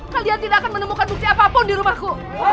kalian tidak akan menemukan bukti apapun di rumahku